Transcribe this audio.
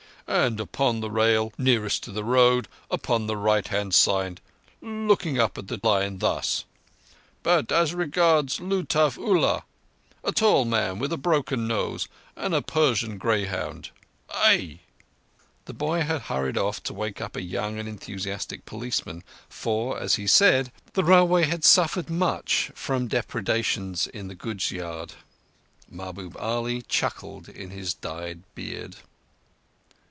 "And upon the rail nearest to the road upon the right hand side—looking up the line thus. But as regards Lutuf Ullah—a tall man with a broken nose, and a Persian greyhound Aie!" The boy had hurried off to wake up a young and enthusiastic policeman; for, as he said, the Railway had suffered much from depredations in the goods yard. Mahbub Ali chuckled in his dyed beard.